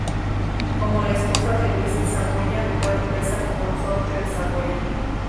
Como la esposa de Luis de Saboya, fue Duquesa consorte de Saboya.